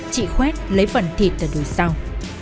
chị khoét lấy phần thịt từ đùi sau